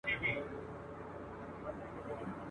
کله چي په کرهنیزه ټولنه کي ښځه